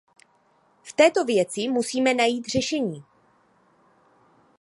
V této věci musíme najít řešení.